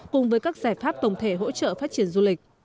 cùng với các giải pháp tổng thể hỗ trợ phát triển du lịch